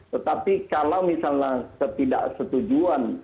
tetapi kalau misalnya ketidaksetujuan